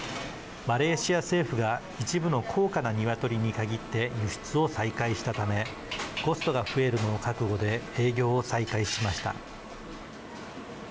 マレーシア政府が一部の高価なニワトリに限って輸出を再開したためコストが増えるのを覚悟で営業を再開しました。